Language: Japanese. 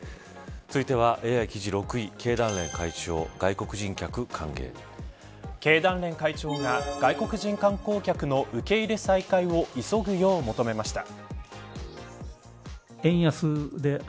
続いてはＡＩ記事６位経団連会長が外国人観光客の受け入れ再開を急ぐよう求めました。